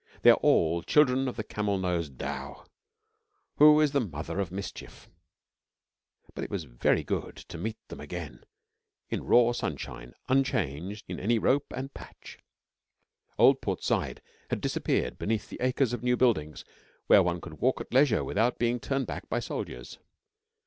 They are all children of the camel nosed dhow, who is the mother of mischief; but it was very good to meet them again in raw sunshine, unchanged in any rope and patch. Old Port Said had disappeared beneath acres of new buildings where one could walk at leisure without being turned back by soldiers.